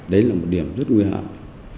đó là một điểm rất nguy hiểm